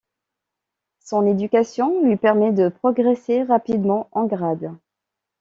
Son éducation lui permet de progresser rapidement en grade.